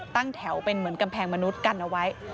ตั้งแถวเป็นเหมือนกำแพงมนุษย์กันเอาไว้